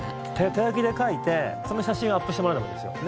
手書きで書いてその写真をアップしてもらえばいいんですよ。